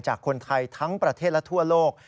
จากคนไทยทั้งประเทศและทั่วโลก